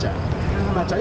sambil makan ya